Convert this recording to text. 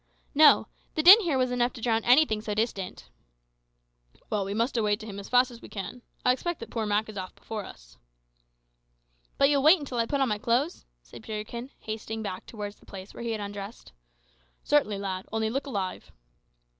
"No; the din here was enough to drown anything so distant." "Well, we must away to him as fast as we can. I expect that poor Mak is off before us." "But you'll wait until I put on my clothes?" said Peterkin, hasting back towards the place where he had undressed. "Certainly, lad; only look alive."